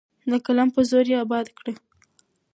د قلم په زور یې اباده کړو.